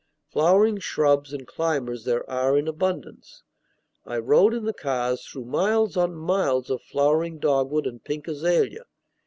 Flowering shrubs and climbers there are in abundance. I rode in the cars through miles on miles of flowering dogwood and pink azalea.